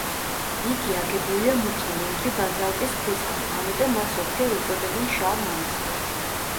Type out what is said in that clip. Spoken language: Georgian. იგი აგებულია მუქი ლურჯი ბაზალტის ქვისგან, ამიტომ მას ზოგჯერ უწოდებენ „შავ მონასტერს“.